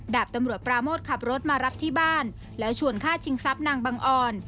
ดาบตำรวจปราโมทขับรถมารับที่บ้านแล้วชวนฆ่าชิงทรัพย์นางบังออน